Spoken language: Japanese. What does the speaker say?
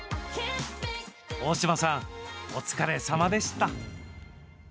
大島さん、お疲れさまでした！